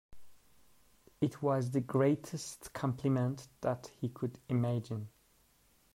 It was the greatest compliment that he could imagine.